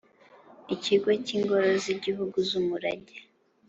Ikigo cy Ingoro z Igihugu z Umurage